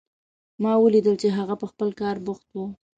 ما ولیدل چې هغه په خپل کار بوخت و